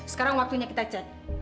sekarang waktunya kita cat